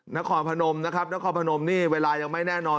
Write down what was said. นครพนมนะครับนครพนมนี่เวลายังไม่แน่นอน